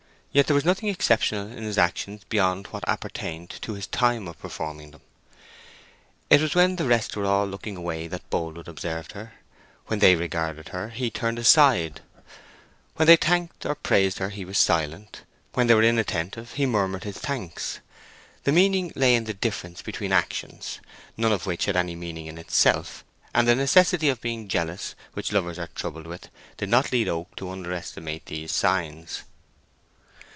Yet there was nothing exceptional in his actions beyond what appertained to his time of performing them. It was when the rest were all looking away that Boldwood observed her; when they regarded her he turned aside; when they thanked or praised he was silent; when they were inattentive he murmured his thanks. The meaning lay in the difference between actions, none of which had any meaning of itself; and the necessity of being jealous, which lovers are troubled with, did not lead Oak to underestimate these signs.